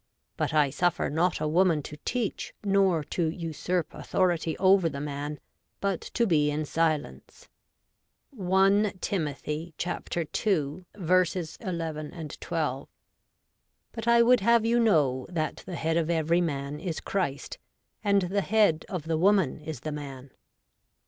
But I suffer not a woman to teach, nor to usurp authority over the man, but to be in silence ' (i Tim. ii. 1 1, 12). ' But I would have you know, that the head of every man is Christ ; and the head of the woman is the man.'